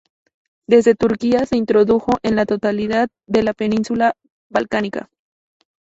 Desde Turquía se introdujo en la totalidad de la península balcánica.